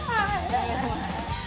お願いします。